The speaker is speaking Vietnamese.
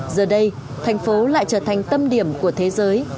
giờ đây thành phố lại trở thành tâm điểm của thế giới